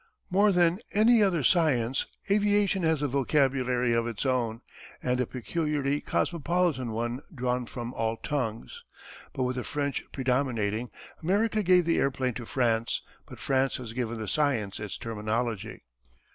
More than any other science aviation has a vocabulary of its own, and a peculiarly cosmopolitan one drawn from all tongues, but with the French predominating. America gave the airplane to France, but France has given the science its terminology.